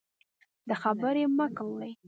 د خبرې مه کوئ.